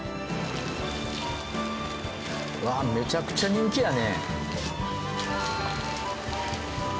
わあめちゃくちゃ人気やね。